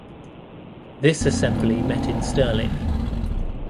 This Assembly met in Stirling.